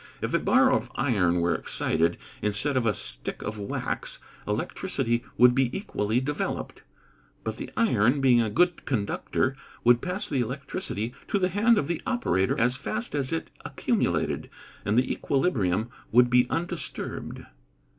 If a bar of iron were excited, instead of a stick of wax, electricity would be equally developed; but the iron, being a good conductor, would pass the electricity to the hand of the operator as fast as it accumulated, and the equilibrium would be undisturbed.